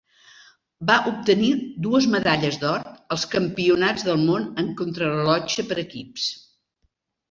Va obtenir dues medalles d'or als Campionats del Món en contrarellotge per equips.